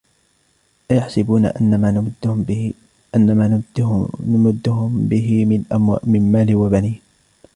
أَيَحْسَبُونَ أَنَّمَا نُمِدُّهُمْ بِهِ مِنْ مَالٍ وَبَنِينَ